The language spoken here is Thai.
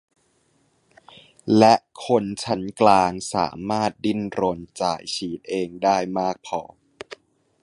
และคนชั้นกลางสามารถดิ้นรนจ่ายฉีดเองได้มากพอ